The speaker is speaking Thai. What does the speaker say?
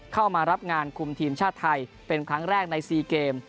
เข้ามารับงานคุมทีมชาติไทยเป็นครั้งแรกใน๔เกม